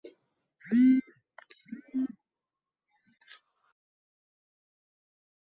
وقال الملأ الذين كفروا من قومه لئن اتبعتم شعيبا إنكم إذا لخاسرون